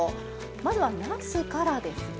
まずはなすからですね。